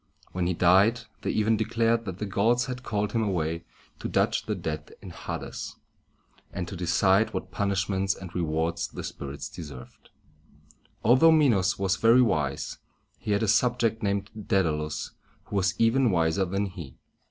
When he died, they even declared that the gods had called him away to judge the dead in Ha´des, and to decide what punishments and rewards the spirits deserved. Although Minos was very wise, he had a subject named Dæd´a lus who was even wiser than he.